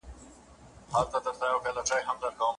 سياست پوهنه د بشري پوهې يوه پياوړې برخه ده.